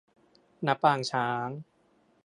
ณ ปางช้าง